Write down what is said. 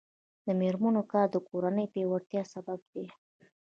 د میرمنو کار د کورنۍ پیاوړتیا سبب دی.